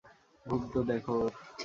ঘুম তো দেখো ওর!